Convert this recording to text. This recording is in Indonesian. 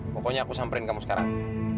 pokoknya aku samperin kamu sekarang